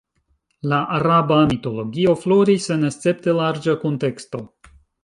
La araba mitologio floris en escepte larĝa kunteksto.